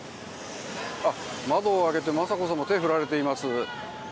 窓を開けて雅子さま手振られています。